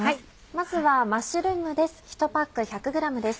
まずはマッシュルームです。